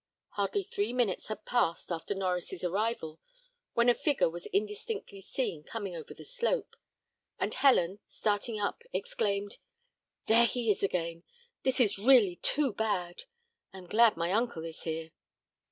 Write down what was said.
Hardly three minutes had passed after Norries' arrival, when a figure was indistinctly seen coming over the slope, and Helen, starting up, exclaimed, "There he is again! This is really too bad. I am glad my uncle is here!"